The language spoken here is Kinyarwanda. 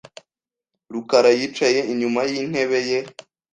rukara yicaye inyuma yintebe ye .